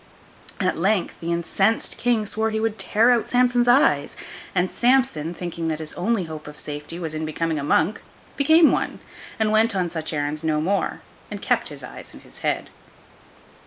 At length the incensed King swore he would tear out Samson's eyes; and Samson, thinking that his only hope of safety was in becoming a monk, became one, went on such errands no more, and kept his eyes in his head.